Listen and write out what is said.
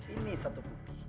ini satu bukti